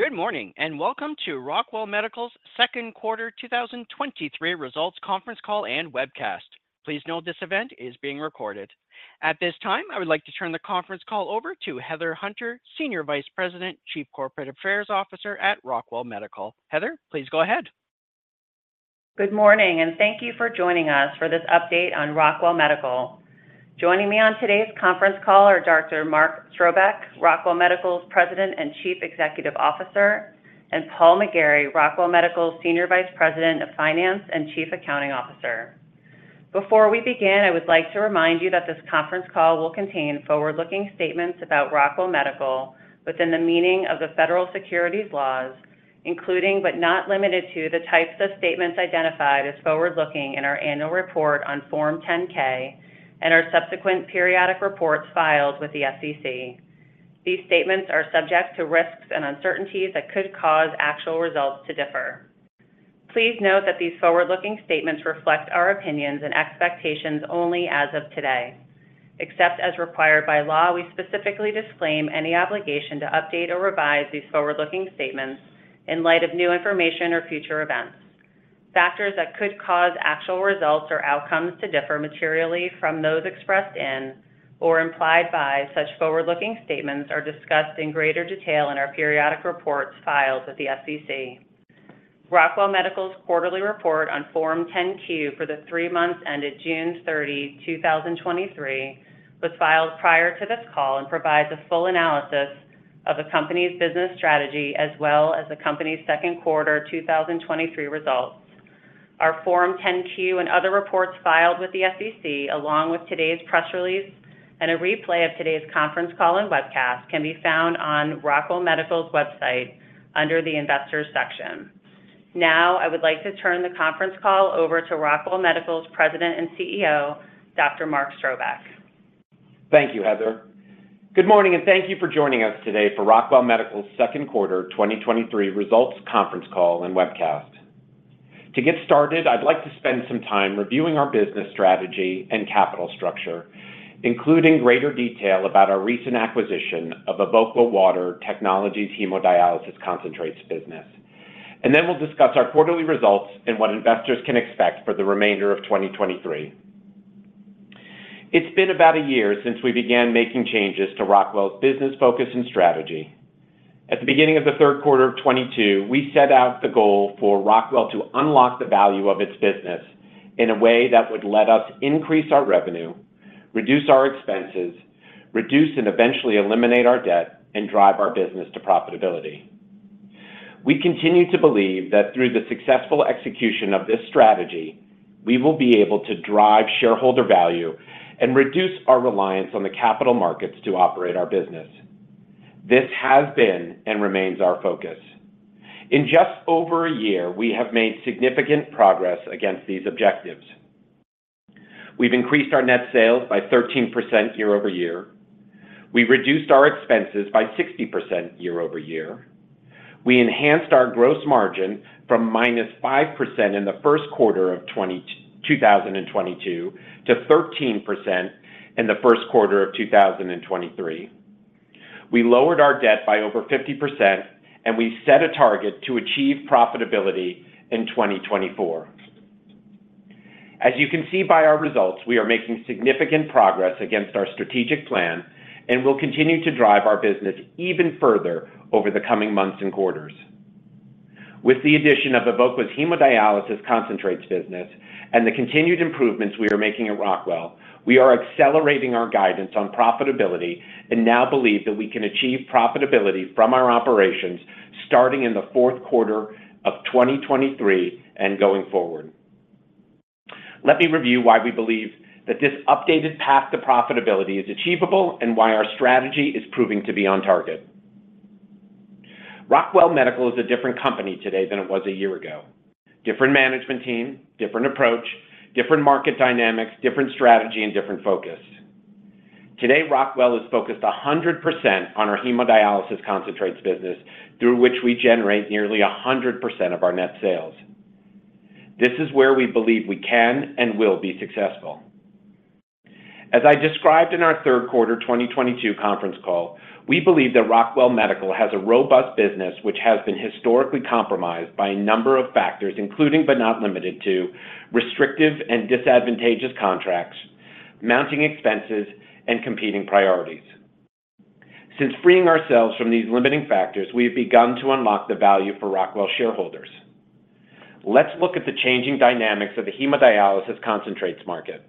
Good morning, welcome to Rockwell Medical's second quarter 2023 results conference call and webcast. Please note, this event is being recorded. At this time, I would like to turn the conference call over to Heather Hunter, Senior Vice President, Chief Corporate Affairs Officer at Rockwell Medical. Heather, please go ahead. Good morning, and thank you for joining us for this update on Rockwell Medical. Joining me on today's conference call are Dr. Mark Strobeck, Rockwell Medical's President and Chief Executive Officer, and Paul McGarry, Rockwell Medical's Senior Vice President of Finance and Chief Accounting Officer. Before we begin, I would like to remind you that this conference call will contain forward-looking statements about Rockwell Medical within the meaning of the federal securities laws, including, but not limited to, the types of statements identified as forward-looking in our annual report on Form 10-K and our subsequent periodic reports filed with the SEC. These statements are subject to risks and uncertainties that could cause actual results to differ. Please note that these forward-looking statements reflect our opinions and expectations only as of today. Except as required by law, we specifically disclaim any obligation to update or revise these forward-looking statements in light of new information or future events. Factors that could cause actual results or outcomes to differ materially from those expressed in or implied by such forward-looking statements are discussed in greater detail in our periodic reports filed with the SEC. Rockwell Medical's quarterly report on Form 10-Q for the three months ended June 30, 2023, was filed prior to this call and provides a full analysis of the company's business strategy as well as the company's second quarter 2023 results. Our Form 10-Q and other reports filed with the SEC, along with today's press release and a replay of today's conference call and webcast, can be found on Rockwell Medical's website under the Investors section. Now, I would like to turn the conference call over to Rockwell Medical's President and CEO, Dr. Mark Strobeck. Thank you, Heather. Good morning, and thank you for joining us today for Rockwell Medical's second quarter 2023 results conference call and webcast. To get started, I'd like to spend some time reviewing our business strategy and capital structure, including greater detail about our recent acquisition of Evoqua Hemodialysis Concentrates business. then we'll discuss our quarterly results and what investors can expect for the remainder of 2023. It's been about a year since we began making changes to Rockwell's business focus and strategy. At the beginning of the third quarter of 2022, we set out the goal for Rockwell to unlock the value of its business in a way that would let us increase our revenue, reduce our expenses, reduce and eventually eliminate our debt, and drive our business to profitability. We continue to believe that through the successful execution of this strategy, we will be able to drive shareholder value and reduce our reliance on the capital markets to operate our business. This has been and remains our focus. In just over a year, we have made significant progress against these objectives. We've increased our net sales by 13% year-over-year. We reduced our expenses by 60% year-over-year. We enhanced our gross margin from -5% in the first quarter of 2022 to 13% in the first quarter of 2023. We lowered our debt by over 50%, and we set a target to achieve profitability in 2024. As you can see by our results, we are making significant progress against our strategic plan and will continue to drive our business even further over the coming months and quarters. With the addition Hemodialysis Concentrates business and the continued improvements we are making at Rockwell, we are accelerating our guidance on profitability and now believe that we can achieve profitability from our operations starting in the fourth quarter of 2023 and going forward. Let me review why we believe that this updated path to profitability is achievable and why our strategy is proving to be on target. Rockwell Medical is a different company today than it was a year ago. Different management team, different approach, different market dynamics, different strategy, and different focus. Today, Rockwell is focused 100% Hemodialysis Concentrates business, through which we generate nearly 100% of our net sales. This is where we believe we can and will be successful. As I described in our third quarter 2022 conference call, we believe that Rockwell Medical has a robust business, which has been historically compromised by a number of factors, including but not limited to, restrictive and disadvantageous contracts, mounting expenses, and competing priorities. Since freeing ourselves from these limiting factors, we've begun to unlock the value for Rockwell shareholders. Let's look at the changing dynamics of the Hemodialysis Concentrates market.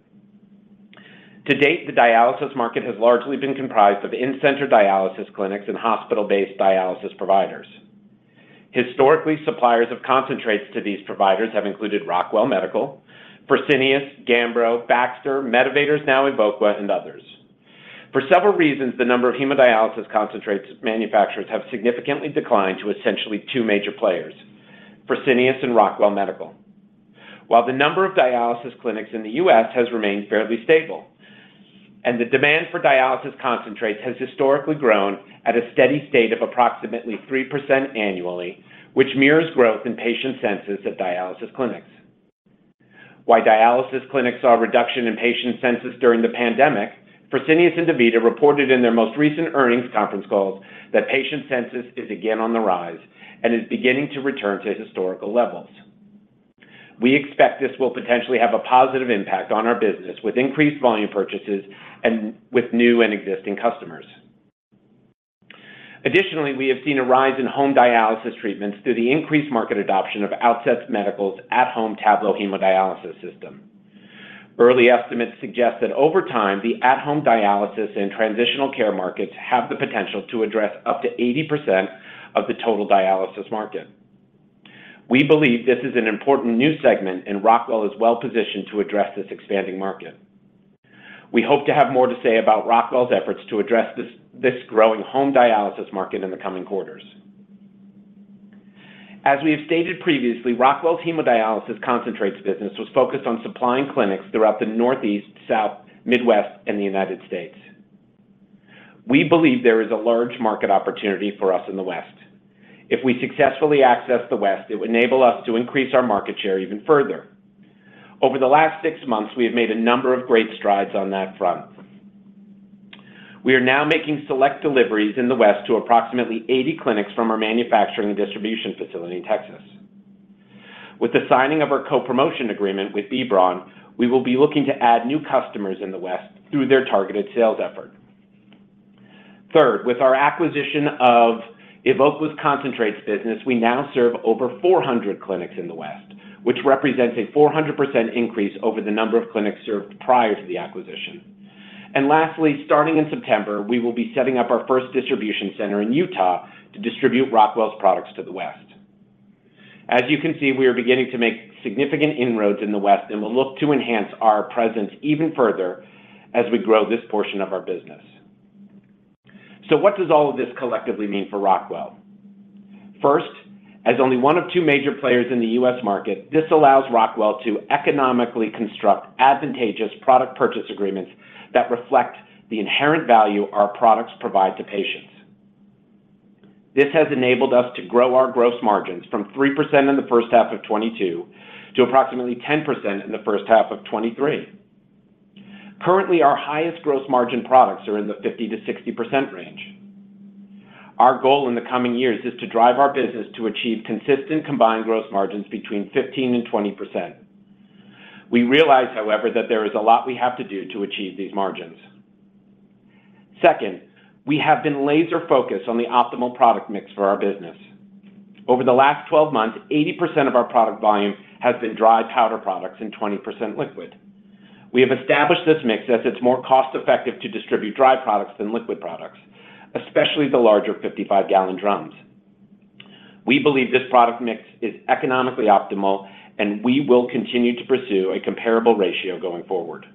To date, the dialysis market has largely been comprised of in-center dialysis clinics and hospital-based dialysis providers. Historically, suppliers of concentrates to these providers have included Rockwell Medical, Fresenius, Gambro, Baxter, Medivators, now Evoqua, and others. For several reasons, the number of Hemodialysis Concentrates manufacturers have significantly declined to essentially 2 major players, Fresenius and Rockwell Medical. While the number of dialysis clinics in the U.S. has remained fairly stable, and the demand for dialysis concentrates has historically grown at a steady state of approximately 3% annually, which mirrors growth in patient census at dialysis clinics. While dialysis clinics saw a reduction in patient census during the pandemic, Fresenius and DaVita reported in their most recent earnings conference calls that patient census is again on the rise and is beginning to return to historical levels. We expect this will potentially have a positive impact on our business, with increased volume purchases and with new and existing customers. Additionally, we have seen a rise in home dialysis treatments through the increased market adoption of Outset Medical's at-home Tablo hemodialysis system. Early estimates suggest that over time, the at-home dialysis and transitional care markets have the potential to address up to 80% of the total dialysis market. We believe this is an important new segment, and Rockwell is well-positioned to address this expanding market. We hope to have more to say about Rockwell's efforts to address this growing home dialysis market in the coming quarters. As we have stated Hemodialysis Concentrates business was focused on supplying clinics throughout the Northeast, South, Midwest, and the United States. We believe there is a large market opportunity for us in the West. If we successfully access the West, it would enable us to increase our market share even further. Over the last six months, we have made a number of great strides on that front. We are now making select deliveries in the West to approximately 80 clinics from our manufacturing and distribution facility in Texas. With the signing of our co-promotion agreement with B. Braun, we will be looking to add new customers in the West through their targeted sales effort. Third, with our acquisition of Evoqua's Concentrates business, we now serve over 400 clinics in the West, which represents a 400% increase over the number of clinics served prior to the acquisition. Lastly, starting in September, we will be setting up our first distribution center in Utah to distribute Rockwell's products to the West. As you can see, we are beginning to make significant inroads in the West and will look to enhance our presence even further as we grow this portion of our business. What does all of this collectively mean for Rockwell? First, as only one of two major players in the U.S. market, this allows Rockwell to economically construct advantageous product purchase agreements that reflect the inherent value our products provide to patients. This has enabled us to grow our gross margins from 3% in the first half of 2022 to approximately 10% in the first half of 2023. Currently, our highest gross margin products are in the 50%-60% range. Our goal in the coming years is to drive our business to achieve consistent combined gross margins between 15% and 20%. We realize, however, that there is a lot we have to do to achieve these margins. Second, we have been laser-focused on the optimal product mix for our business. Over the last 12 months, 80% of our product volume has been dry powder products and 20% liquid. We have established this mix as it's more cost-effective to distribute dry products than liquid products, especially the larger 55-gallon drums. We believe this product mix is economically optimal, and we will continue to pursue a comparable ratio going forward.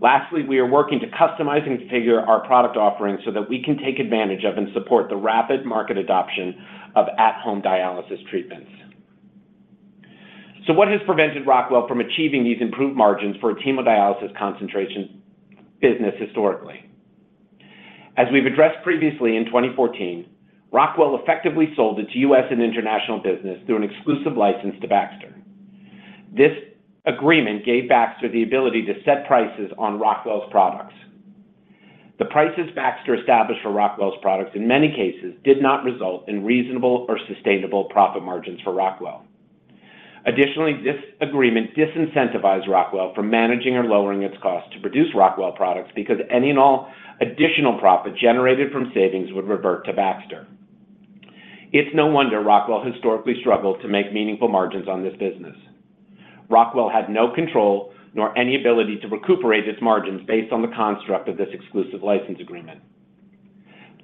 Lastly, we are working to customize and configure our product offerings so that we can take advantage of and support the rapid market adoption of at-home dialysis treatments. What has prevented Rockwell from achieving these improved margins for its hemodialysis concentration business historically? As we've addressed previously, in 2014, Rockwell effectively sold its U.S. and international business through an exclusive license to Baxter. This agreement gave Baxter the ability to set prices on Rockwell's products. The prices Baxter established for Rockwell's products in many cases did not result in reasonable or sustainable profit margins for Rockwell. Additionally, this agreement disincentivized Rockwell from managing or lowering its cost to produce Rockwell products, because any and all additional profit generated from savings would revert to Baxter. It's no wonder Rockwell historically struggled to make meaningful margins on this business. Rockwell had no control, nor any ability to recuperate its margins based on the construct of this exclusive license agreement.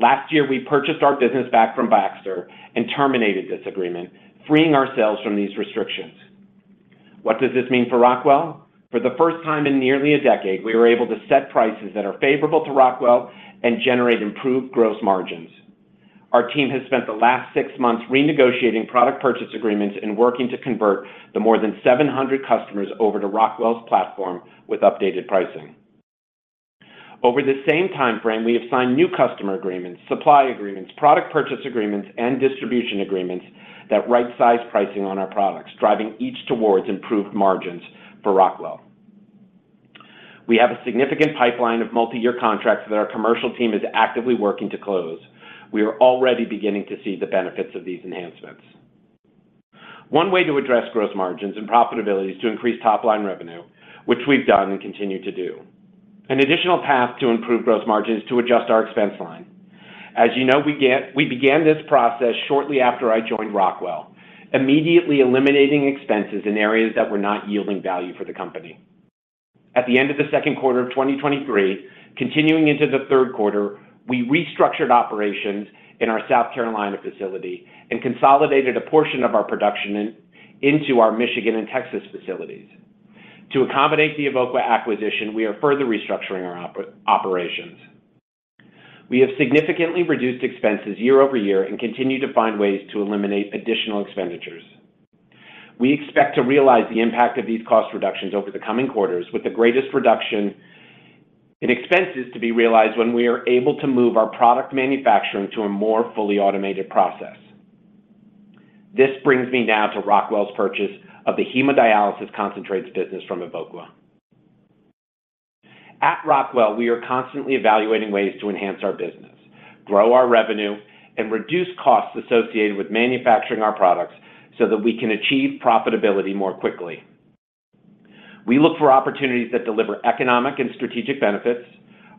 Last year, we purchased our business back from Baxter and terminated this agreement, freeing ourselves from these restrictions. What does this mean for Rockwell? For the first time in nearly a decade, we are able to set prices that are favorable to Rockwell and generate improved gross margins. Our team has spent the last six months renegotiating product purchase agreements and working to convert the more than 700 customers over to Rockwell's platform with updated pricing. Over the same time frame, we have signed new customer agreements, supply agreements, product purchase agreements, and distribution agreements that right-size pricing on our products, driving each towards improved margins for Rockwell. We have a significant pipeline of multi-year contracts that our commercial team is actively working to close. We are already beginning to see the benefits of these enhancements. One way to address gross margins and profitability is to increase top-line revenue, which we've done and continue to do. An additional path to improve gross margin is to adjust our expense line. As you know, we began this process shortly after I joined Rockwell, immediately eliminating expenses in areas that were not yielding value for the company. At the end of the second quarter of 2023, continuing into the third quarter, we restructured operations in our South Carolina facility and consolidated a portion of our production into our Michigan and Texas facilities. To accommodate the Evoqua acquisition, we are further restructuring our operations. We have significantly reduced expenses year-over-year and continue to find ways to eliminate additional expenditures. We expect to realize the impact of these cost reductions over the coming quarters, with the greatest reduction and expenses to be realized when we are able to move our product manufacturing to a more fully automated process. This brings me now to Rockwell's purchase Hemodialysis Concentrates business from Evoqua. At Rockwell, we are constantly evaluating ways to enhance our business, grow our revenue, and reduce costs associated with manufacturing our products so that we can achieve profitability more quickly. We look for opportunities that deliver economic and strategic benefits,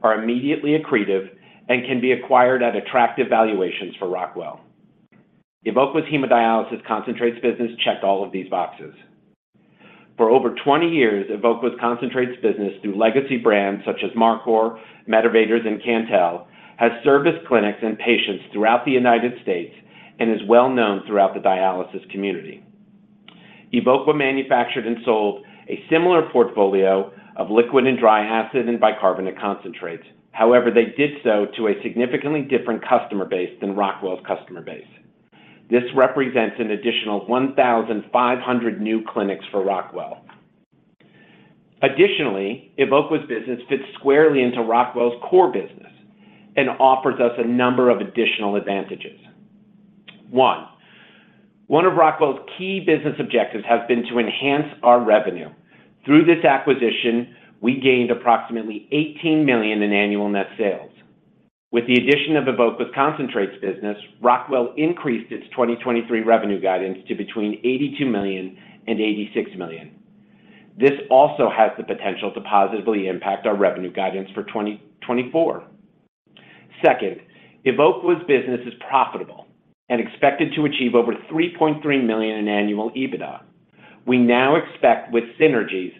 are immediately accretive, and can be acquired at attractive valuations for Hemodialysis Concentrates business checked all of these boxes. For over 20 years, Evoqua's Concentrates business, through legacy brands such as MarCor, Medivators, and Cantel, has serviced clinics and patients throughout the United States and is well known throughout the dialysis community. Evoqua manufactured and sold a similar portfolio of liquid and dry acid and bicarbonate concentrates. However, they did so to a significantly different customer base than Rockwell's customer base. This represents an additional 1,500 new clinics for Rockwell. Additionally, Evoqua's business fits squarely into Rockwell's core business and offers us a number of additional advantages. One, one of Rockwell's key business objectives has been to enhance our revenue. Through this acquisition, we gained approximately $18 million in annual net sales. With the addition of Evoqua's Concentrates business, Rockwell increased its 2023 revenue guidance to between $82 million and $86 million. This also has the potential to positively impact our revenue guidance for 2024. Second, Evoqua's business is profitable and expected to achieve over $3.3 million in annual EBITDA. We now expect, with synergies,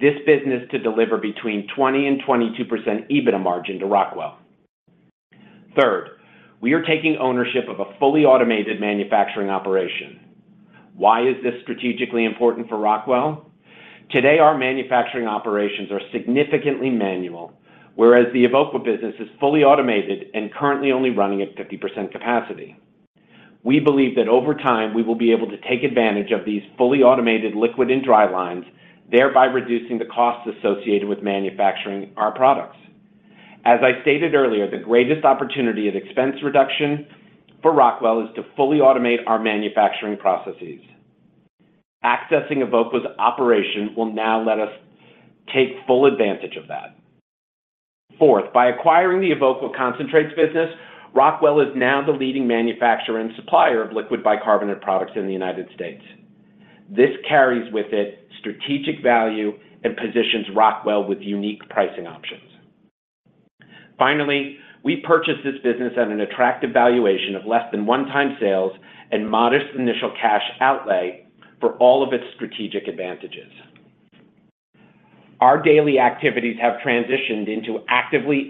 this business to deliver between 20% and 22% EBITDA margin to Rockwell. Third, we are taking ownership of a fully automated manufacturing operation. Why is this strategically important for Rockwell? Today, our manufacturing operations are significantly manual, whereas the Evoqua business is fully automated and currently only running at 50% capacity. We believe that over time, we will be able to take advantage of these fully automated liquid and dry lines, thereby reducing the costs associated with manufacturing our products. As I stated earlier, the greatest opportunity of expense reduction for Rockwell is to fully automate our manufacturing processes. Accessing Evoqua's operation will now let us take full advantage of that. By acquiring the Evoqua Concentrates business, Rockwell is now the leading manufacturer and supplier of liquid bicarbonate products in the United States. This carries with it strategic value and positions Rockwell with unique pricing options. We purchased this business at an attractive valuation of less than 1x sales and modest initial cash outlay for all of its strategic advantages. Our daily activities have transitioned into actively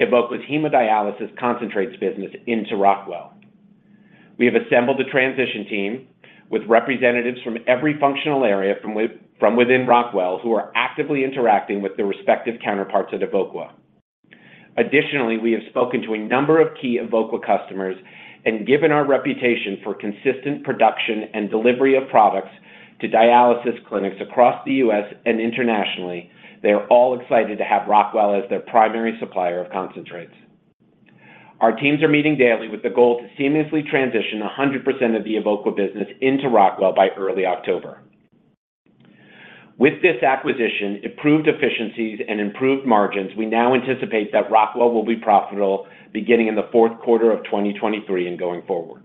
Hemodialysis Concentrates business into Rockwell. We have assembled a transition team with representatives from every functional area from within Rockwell, who are actively interacting with their respective counterparts at Evoqua. Additionally, we have spoken to a number of key Evoqua customers, and given our reputation for consistent production and delivery of products to dialysis clinics across the U.S. and internationally, they are all excited to have Rockwell as their primary supplier of concentrates. Our teams are meeting daily with the goal to seamlessly transition 100% of the Evoqua business into Rockwell by early October. With this acquisition, improved efficiencies, and improved margins, we now anticipate that Rockwell will be profitable beginning in the fourth quarter of 2023 and going forward.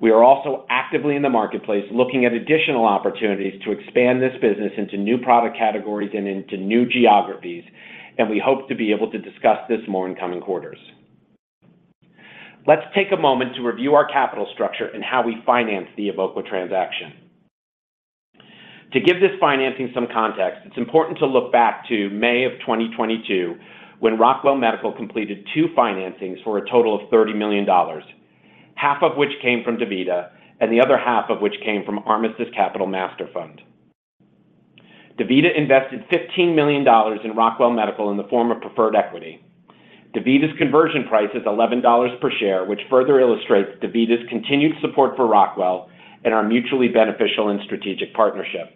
We are also actively in the marketplace, looking at additional opportunities to expand this business into new product categories and into new geographies, and we hope to be able to discuss this more in coming quarters. Let's take a moment to review our capital structure and how we financed the Evoqua transaction. To give this financing some context, it's important to look back to May of 2022, when Rockwell Medical completed two financings for a total of $30 million, half of which came from DaVita, the other half of which came from Armistice Capital Master Fund. DaVita invested $15 million in Rockwell Medical in the form of preferred equity. DaVita's conversion price is $11 per share, which further illustrates DaVita's continued support for Rockwell and our mutually beneficial and strategic partnership.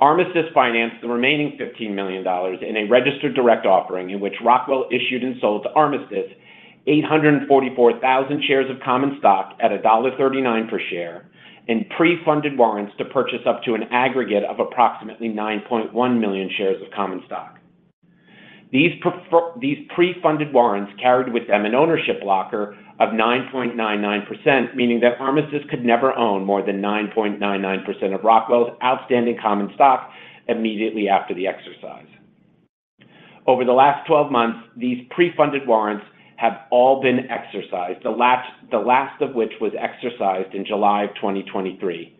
Armistice financed the remaining $15 million in a registered direct offering in which Rockwell issued and sold to Armistice 844,000 shares of common stock at $1.39 per share and pre-funded warrants to purchase up to an aggregate of approximately 9.1 million shares of common stock. These pre-funded warrants carried with them an ownership blocker of 9.99%, meaning that Armistice could never own more than 9.99% of Rockwell's outstanding common stock immediately after the exercise. Over the last 12 months, these pre-funded warrants have all been exercised, the last, the last of which was exercised in July of 2023.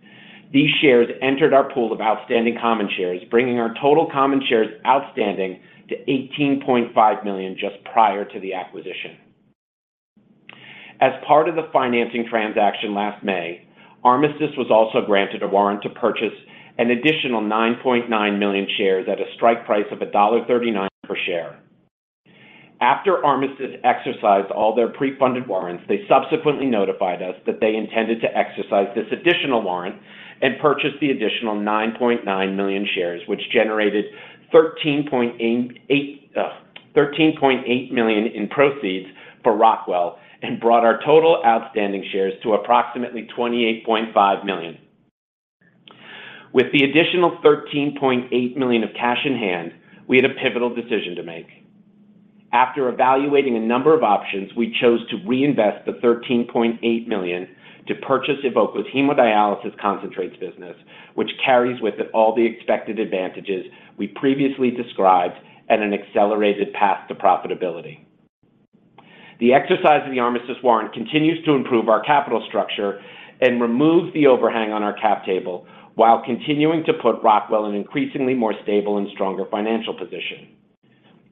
These shares entered our pool of outstanding common shares, bringing our total common shares outstanding to 18.5 million just prior to the acquisition. As part of the financing transaction last May, Armistice was also granted a warrant to purchase an additional 9.9 million shares at a strike price of $1.39 per share. After Armistice exercised all their pre-funded warrants, they subsequently notified us that they intended to exercise this additional warrant and purchase the additional 9.9 million shares, which generated $13.8 million in proceeds for Rockwell and brought our total outstanding shares to approximately 28.5 million. With the additional $13.8 million of cash in hand, we had a pivotal decision to make. After evaluating a number of options, we chose to reinvest the $13.8 million to Hemodialysis Concentrates business, which carries with it all the expected advantages we previously described at an accelerated path to profitability. The exercise of the Armistice warrant continues to improve our capital structure and removes the overhang on our cap table, while continuing to put Rockwell in increasingly more stable and stronger financial position.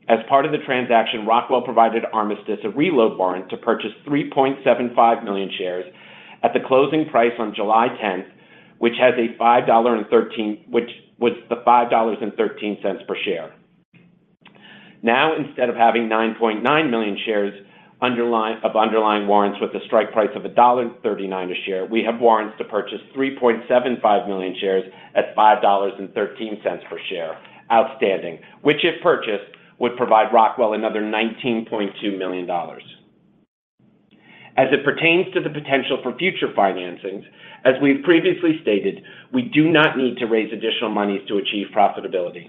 As part of the transaction, Rockwell provided Armistice a reload warrant to purchase 3.75 million shares at the closing price on July 10th, which was the $5.13 per share. Instead of having 9.9 million shares underlying, of underlying warrants with a strike price of $1.39 a share, we have warrants to purchase 3.75 million shares at $5.13 per share. Outstanding, which, if purchased, would provide Rockwell another $19.2 million. As it pertains to the potential for future financings, as we've previously stated, we do not need to raise additional monies to achieve profitability.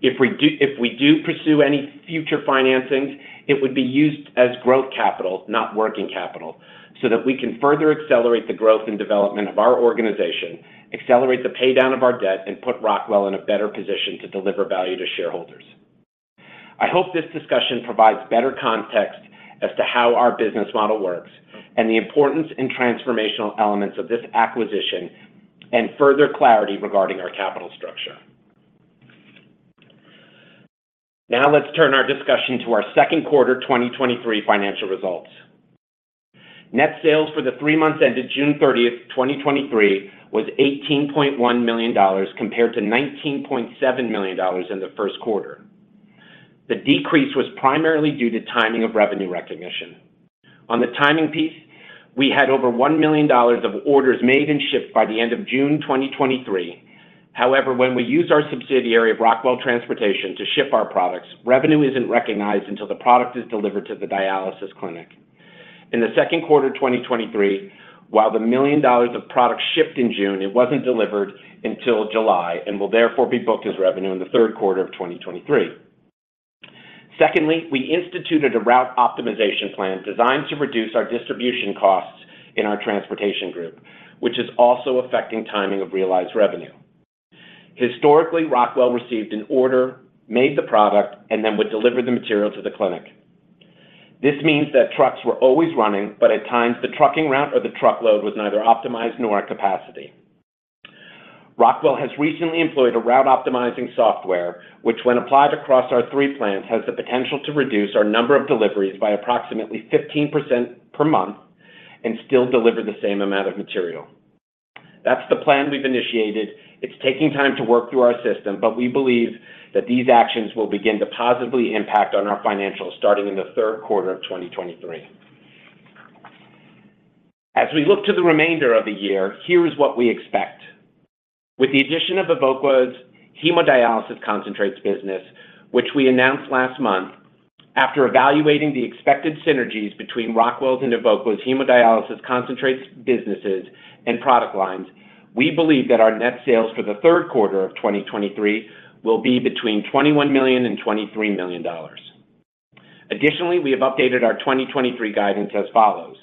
If we do, if we do pursue any future financings, it would be used as growth capital, not working capital, so that we can further accelerate the growth and development of our organization, accelerate the pay down of our debt, and put Rockwell in a better position to deliver value to shareholders. I hope this discussion provides better context as to how our business model works and the importance and transformational elements of this acquisition and further clarity regarding our capital structure. Let's turn our discussion to our second quarter 2023 financial results. Net sales for the three months ended June 30, 2023, was $18.1 million, compared to $19.7 million in the first quarter. The decrease was primarily due to timing of revenue recognition. On the timing piece, we had over $1 million of orders made and shipped by the end of June 2023. When we use our subsidiary of Rockwell Transportation to ship our products, revenue isn't recognized until the product is delivered to the dialysis clinic. In the second quarter of 2023, while the $1 million of product shipped in June, it wasn't delivered until July and will therefore be booked as revenue in the third quarter of 2023. We instituted a route optimization plan designed to reduce our distribution costs in our transportation group, which is also affecting timing of realized revenue. Historically, Rockwell received an order, made the product, and then would deliver the material to the clinic. Trucks were always running, but at times, the trucking route or the truckload was neither optimized nor at capacity. Rockwell has recently employed a route optimizing software, which, when applied across our three plants, has the potential to reduce our number of deliveries by approximately 15% per month and still deliver the same amount of material. That's the plan we've initiated. It's taking time to work through our system, we believe that these actions will begin to positively impact on our financials starting in the third quarter of 2023. As we look to the remainder of the year, here is what we expect. With the addition Hemodialysis Concentrates business, which we announced last month, after evaluating the expected synergies between Rockwell's and Evoqua's Hemodialysis Concentrates, businesses, and product lines, we believe that our net sales for the third quarter of 2023 will be between $21 million and $23 million. Additionally, we have updated our 2023 guidance as follows: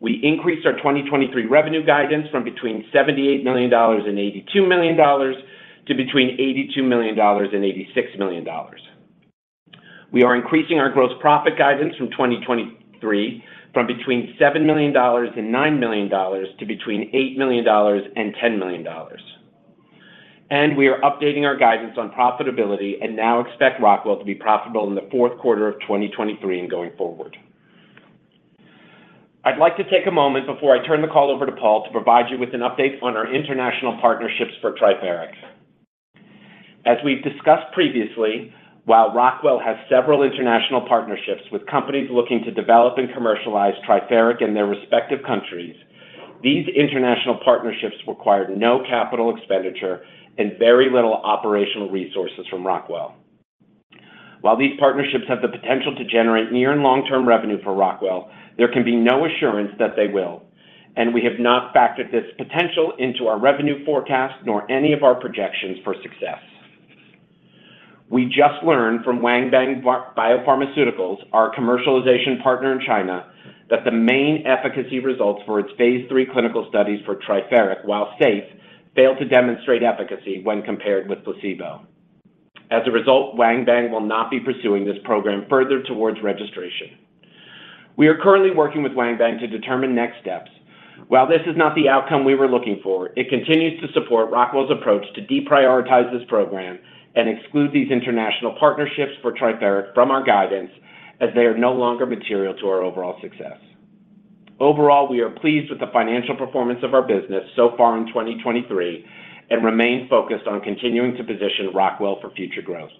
We increased our 2023 revenue guidance from between $78 million and $82 million to between $82 million and $86 million. We are increasing our gross profit guidance from 2023 from between $7 million and $9 million to between $8 million and $10 million. We are updating our guidance on profitability and now expect Rockwell to be profitable in the fourth quarter of 2023 and going forward. I'd like to take a moment before I turn the call over to Paul to provide you with an update on our international partnerships for Triferic. As we've discussed previously, while Rockwell has several international partnerships with companies looking to develop and commercialize Triferic in their respective countries, these international partnerships required no capital expenditure and very little operational resources from Rockwell. While these partnerships have the potential to generate near and long-term revenue for Rockwell, there can be no assurance that they will, and we have not factored this potential into our revenue forecast, nor any of our projections for success. We just learned from Wanbang Biopharmaceuticals, our commercialization partner in China, that the main efficacy results for its phase III clinical studies for Triferic, while safe, failed to demonstrate efficacy when compared with placebo. As a result, Wanbang will not be pursuing this program further towards registration. We are currently working with Wanbang to determine next steps. While this is not the outcome we were looking for, it continues to support Rockwell's approach to deprioritize this program and exclude these international partnerships for Triferic from our guidance, as they are no longer material to our overall success. Overall, we are pleased with the financial performance of our business so far in 2023, and remain focused on continuing to position Rockwell for future growth.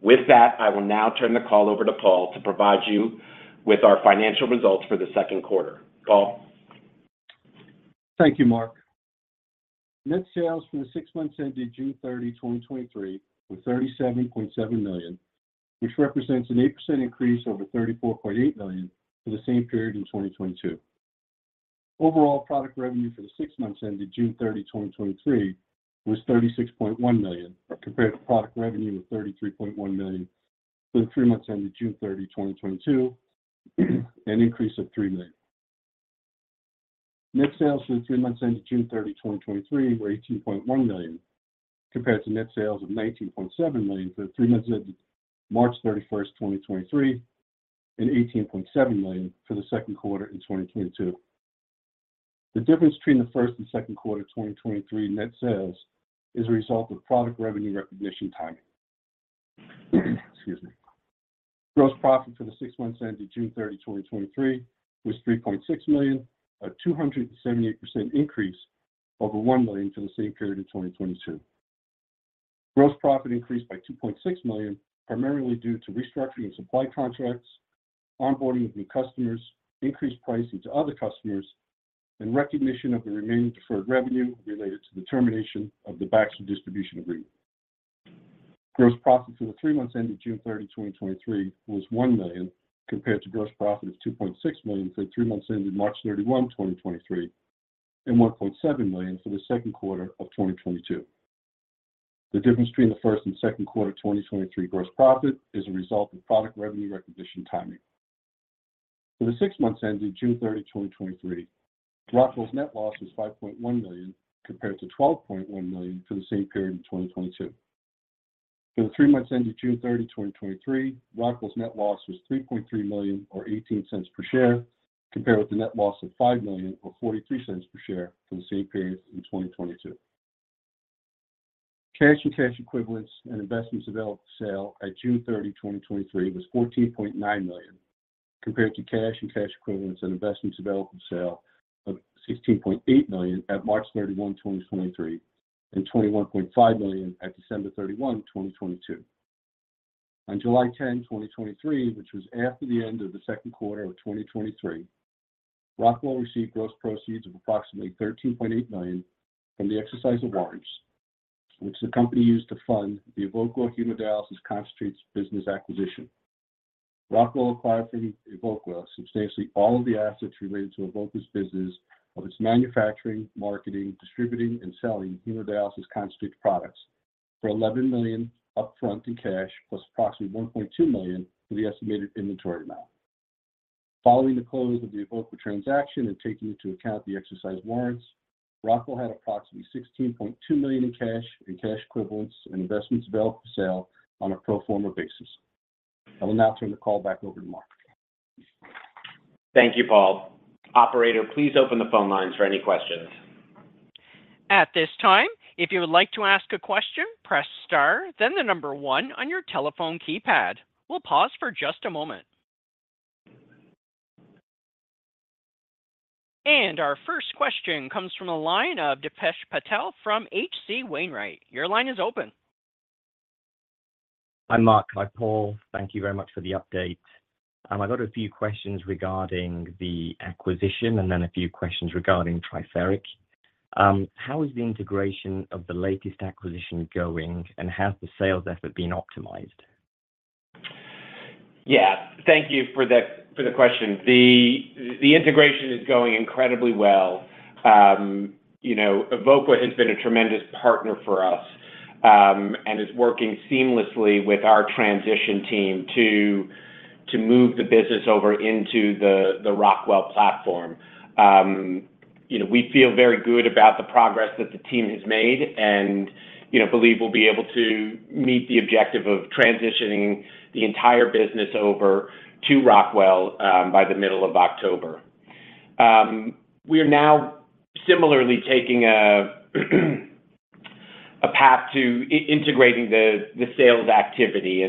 With that, I will now turn the call over to Paul to provide you with our financial results for the second quarter. Paul? Thank you, Mark. Net sales for the six months ending June 30, 2023, were $37.7 million, which represents an 8% increase over $34.8 million for the same period in 2022. Overall, product revenue for the six months ending June 30, 2023, was $36.1 million, compared to product revenue of $33.1 million for the three months ending June 30, 2022, an increase of $3 million. Net sales for the three months ending June 30, 2023, were $18.1 million, compared to net sales of $19.7 million for the three months ending March 31, 2023, and $18.7 million for the second quarter in 2022. The difference between the first and second quarter 2023 net sales is a result of product revenue recognition timing. Excuse me. Gross profit for the six months ending June 30, 2023, was $3.6 million, a 278% increase over $1 million for the same period in 2022. Gross profit increased by $2.6 million, primarily due to restructuring supply contracts, onboarding of new customers, increased pricing to other customers, and recognition of the remaining deferred revenue related to the termination of the Baxter distribution agreement. Gross profit for the three months ending June 30, 2023, was $1 million, compared to gross profit of $2.6 million for the three months ending March 31, 2023, and $1.7 million for the second quarter of 2022. The difference between the first and second quarter 2023 gross profit is a result of product revenue recognition timing. For the six months ending June 30, 2023, Rockwell's net loss was $5.1 million, compared to $12.1 million for the same period in 2022. For the three months ending June 30, 2023, Rockwell's net loss was $3.3 million, or $0.18 per share, compared with the net loss of $5 million or $0.43 per share for the same period in 2022. Cash and cash equivalents and investments available for sale at June 30, 2023, was $14.9 million, compared to cash and cash equivalents and investments available for sale of $16.8 million at March 31, 2023, and $21.5 million at December 31, 2022. On July 10, 2023, which was after the end of the second quarter of 2023, Rockwell received gross proceeds of approximately $13.8 million from the exercise of warrants, which the company used to fund Hemodialysis Concentrates business acquisition. Rockwell acquired from Evoqua substantially all of the assets related to Evoqua's business of its manufacturing, marketing, distributing, and selling Hemodialysis concentrate products for $11 million upfront in cash, plus approximately $1.2 million for the estimated inventory amount. Following the close of the Evoqua transaction and taking into account the exercised warrants, Rockwell had approximately $16.2 million in cash and cash equivalents and investments available for sale on a pro forma basis. I will now turn the call back over to Mark. Thank you, Paul. Operator, please open the phone lines for any questions. At this time, if you would like to ask a question, press star, then the number 1 on your telephone keypad. We'll pause for just a moment. Our first question comes from the line of Dipesh Patel from H.C. Wainwright. Your line is open. Hi, Mark. Hi, Paul. Thank you very much for the update. I've got a few questions regarding the acquisition and then a few questions regarding Triferic. How is the integration of the latest acquisition going, and has the sales effort been optimized? Yeah, thank you for the, for the question. The, the integration is going incredibly well. You know, Evoqua has been a tremendous partner for us, and is working seamlessly with our transition team to, to move the business over into the, the Rockwell platform. You know, we feel very good about the progress that the team has made and, you know, believe we'll be able to meet the objective of transitioning the entire business over to Rockwell by the middle of October. We are now similarly taking a, a path to integrating the, the sales activity.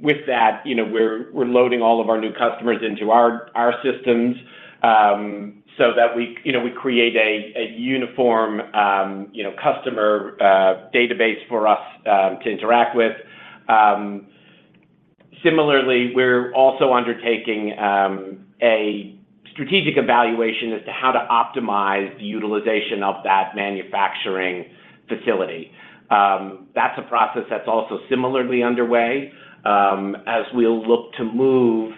With that, you know, we're, we're loading all of our new customers into our, our systems, so that we, you know, we create a, a uniform, you know, customer database for us to interact with. Similarly, we're also undertaking a strategic evaluation as to how to optimize the utilization of that manufacturing facility. That's a process that's also similarly underway, as we'll look to move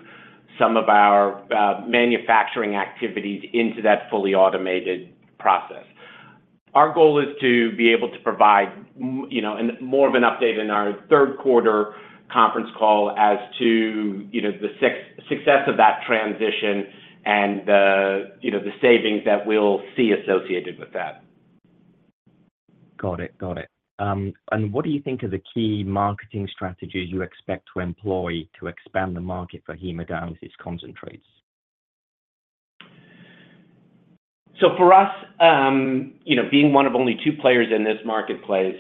some of our manufacturing activities into that fully automated process. Our goal is to be able to provide you know, and more of an update in our third quarter conference call as to, you know, the success of that transition and the, you know, the savings that we'll see associated with that. Got it. Got it. What do you think are the key marketing strategies you expect to employ to expand the market for Hemodialysis Concentrates? For us, you know, being one of only two players in this marketplace,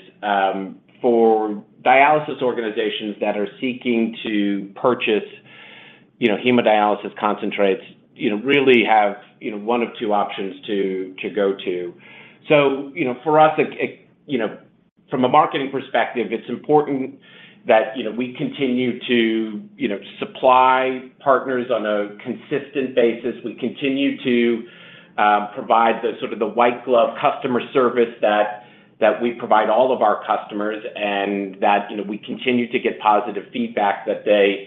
for dialysis organizations that are seeking to purchase, you know, Hemodialysis Concentrates, you know, really have, you know, one of two options to, to go to. You know, for us, it, it, you know, from a marketing perspective, it's important that, you know, we continue to, you know, supply partners on a consistent basis. We continue to provide the sort of the white-glove customer service that, that we provide all of our customers and that, you know, we continue to get positive feedback that they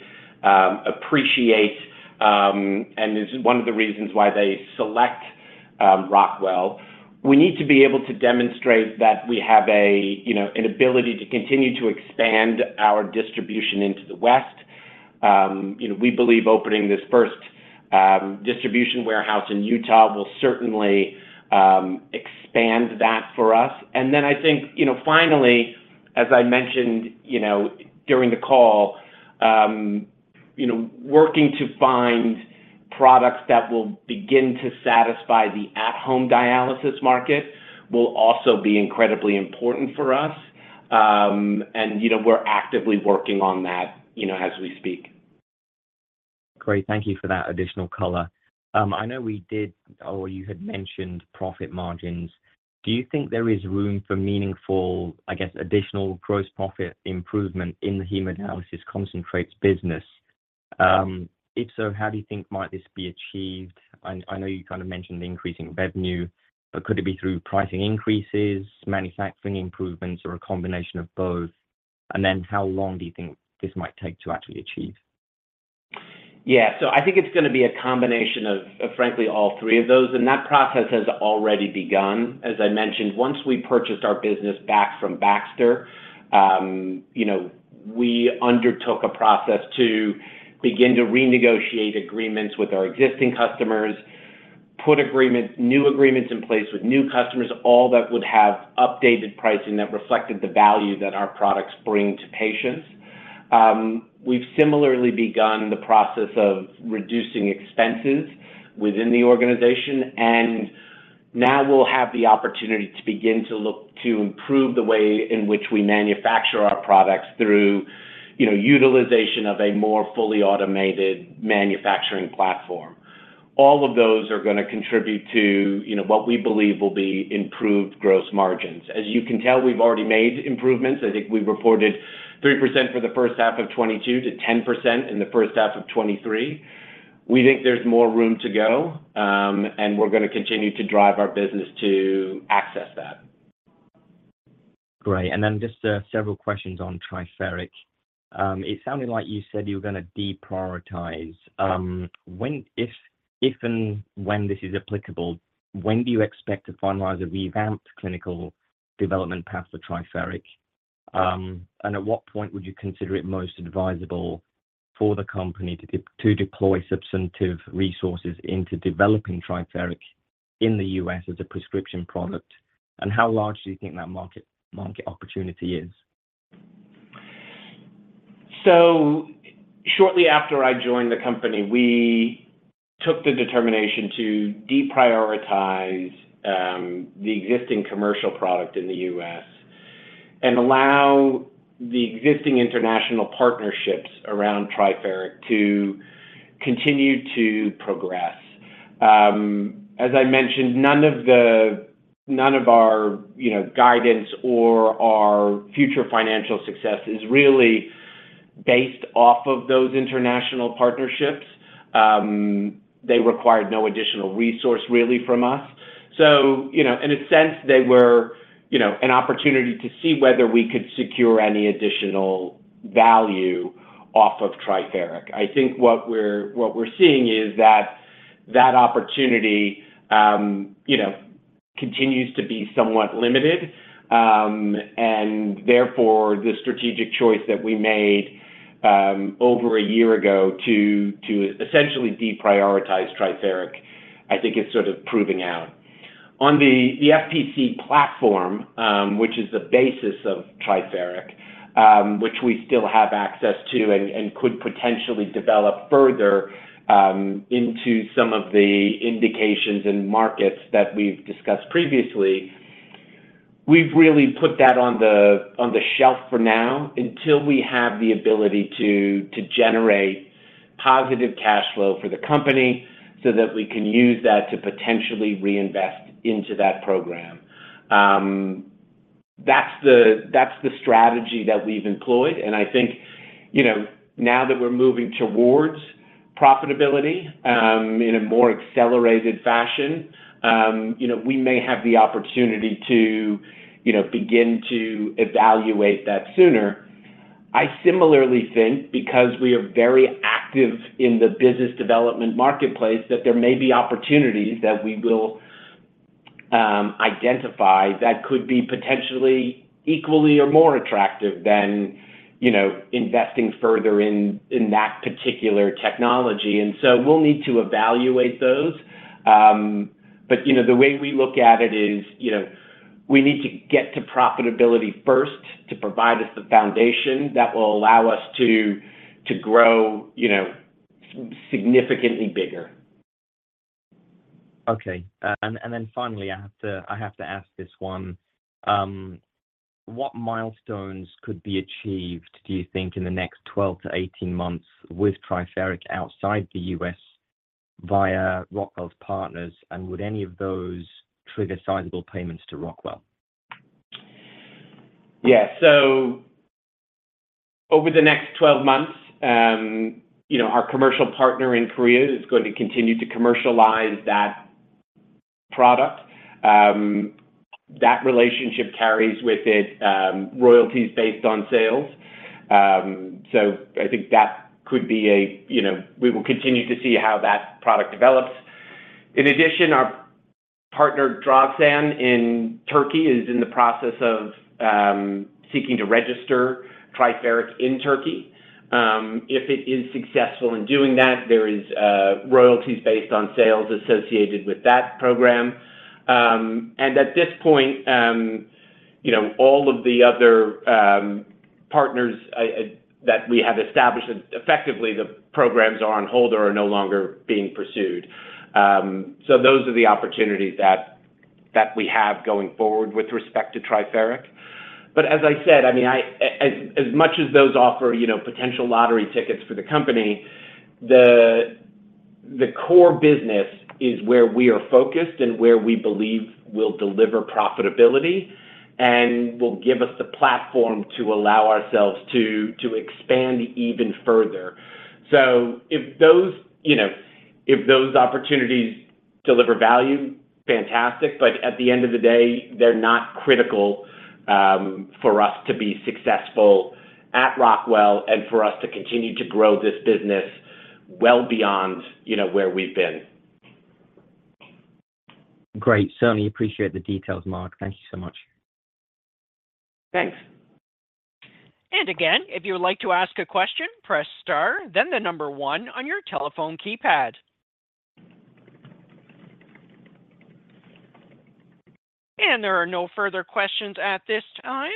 appreciate and is one of the reasons why they select Rockwell. We need to be able to demonstrate that we have a, you know, an ability to continue to expand our distribution into the West. You know, we believe opening this first distribution warehouse in Utah will certainly expand that for us. Then I think, you know, finally, as I mentioned, you know, during the call, you know, working to find products that will begin to satisfy the at-home dialysis market will also be incredibly important for us. You know, we're actively working on that, you know, as we speak. Great. Thank you for that additional color. I know we did or you had mentioned profit margins. Do you think there is room for meaningful, I guess, additional gross profit improvement Hemodialysis Concentrates business? if so, how do you think might this be achieved? I, I know you kind of mentioned the increasing revenue, but could it be through pricing increases, manufacturing improvements, or a combination of both? How long do you think this might take to actually achieve? Yeah. I think it's going to be a combination of, of frankly, all three of those, and that process has already begun. As I mentioned, once we purchased our business back from Baxter, you know, we undertook a process to begin to renegotiate agreements with our existing customers, put agreements, new agreements in place with new customers, all that would have updated pricing that reflected the value that our products bring to patients. We've similarly begun the process of reducing expenses within the organization, and now we'll have the opportunity to begin to look to improve the way in which we manufacture our products through, you know, utilization of a more fully automated manufacturing platform. All of those are going to contribute to, you know, what we believe will be improved gross margins. As you can tell, we've already made improvements. I think we reported 3% for the first half of 2022 to 10% in the first half of 2023. We think there's more room to go, and we're going to continue to drive our business to access that. Great. Then just several questions on Triferic. It sounded like you said you were going to deprioritize. If, if, and when this is applicable, when do you expect to finalize a revamped clinical development path for Triferic? At what point would you consider it most advisable for the company to deploy substantive resources into developing Triferic in the U.S. as a prescription product? How large do you think that market, market opportunity is? Shortly after I joined the company, we took the determination to deprioritize the existing commercial product in the US and allow the existing international partnerships around Triferic to continue to progress. As I mentioned, none of our, you know, guidance or our future financial success is really based off of those international partnerships. They required no additional resource, really, from us. You know, in a sense, they were, you know, an opportunity to see whether we could secure any additional value off of Triferic. I think what we're, what we're seeing is that, that opportunity, you know, continues to be somewhat limited. Therefore, the strategic choice that we made over a year ago to, to essentially deprioritize Triferic, I think is sort of proving out. On the FPC platform, which is the basis of Triferic, which we still have access to and, and could potentially develop further, into some of the indications and markets that we've discussed previously. We've really put that on the, on the shelf for now until we have the ability to, to generate positive cash flow for the company so that we can use that to potentially reinvest into that program. That's the, that's the strategy that we've employed, and I think, you know, now that we're moving towards profitability, in a more accelerated fashion, you know, we may have the opportunity to, you know, begin to evaluate that sooner. I similarly think because we are very active in the business development marketplace, that there may be opportunities that we will identify that could be potentially equally or more attractive than, you know, investing further in, in that particular technology. We'll need to evaluate those. You know, the way we look at it is, you know. We need to get to profitability first to provide us the foundation that will allow us to, to grow, you know, significantly bigger. Okay. And then finally, I have to, I have to ask this one: what milestones could be achieved, do you think, in the next 12 to 18 months with Triferic outside the U.S. via Rockwell's partners, and would any of those trigger sizable payments to Rockwell? Yeah. Over the next 12 months, you know, our commercial partner in Korea is going to continue to commercialize that product. That relationship carries with it royalties based on sales. I think that could be a, you know. We will continue to see how that product develops. In addition, our partner, Drogsan in Turkey, is in the process of seeking to register Triferic in Turkey. If it is successful in doing that, there is royalties based on sales associated with that program. At this point, you know, all of the other partners that we have established, effectively, the programs are on hold or are no longer being pursued. Those are the opportunities that, that we have going forward with respect to Triferic. As I said, I mean, I, as much as those offer, you know, potential lottery tickets for the company, the, the core business is where we are focused and where we believe will deliver profitability and will give us the platform to allow ourselves to, to expand even further. If those, you know, if those opportunities deliver value, fantastic. At the end of the day, they're not critical for us to be successful at Rockwell and for us to continue to grow this business well beyond, you know, where we've been. Great. Certainly appreciate the details, Mark. Thank you so much. Thanks. Again, if you would like to ask a question, press star, then number one on your telephone keypad. There are no further questions at this time.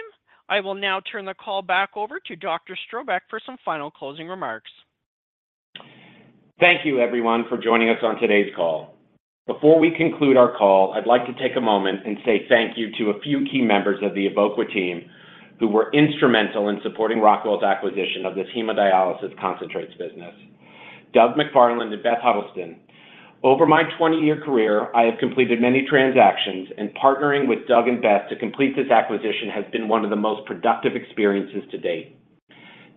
I will now turn the call back over to Dr. Strobeck for some final closing remarks. Thank you, everyone, for joining us on today's call. Before we conclude our call, I'd like to take a moment and say thank you to a few key members of the Evoqua team who were instrumental in supporting Rockwell's acquisition Hemodialysis Concentrates business. Doug McFarland and Beth Huddleston, over my 20-year career, I have completed many transactions, and partnering with Doug and Beth to complete this acquisition has been one of the most productive experiences to date.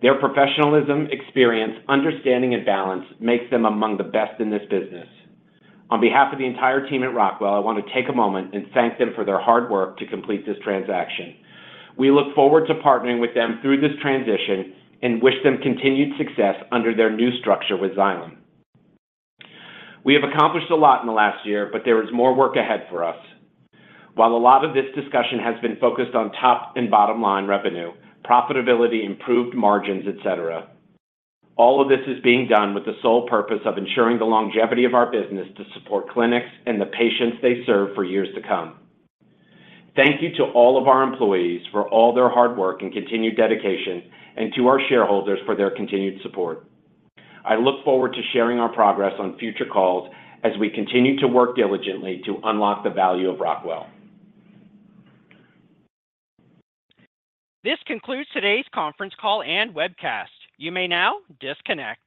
Their professionalism, experience, understanding, and balance makes them among the best in this business. On behalf of the entire team at Rockwell, I want to take a moment and thank them for their hard work to complete this transaction. We look forward to partnering with them through this transition and wish them continued success under their new structure with Xylem. We have accomplished a lot in the last year. There is more work ahead for us. While a lot of this discussion has been focused on top and bottom line revenue, profitability, improved margins, et cetera, all of this is being done with the sole purpose of ensuring the longevity of our business to support clinics and the patients they serve for years to come. Thank you to all of our employees for all their hard work and continued dedication, and to our shareholders for their continued support. I look forward to sharing our progress on future calls as we continue to work diligently to unlock the value of Rockwell. This concludes today's conference call and webcast. You may now disconnect.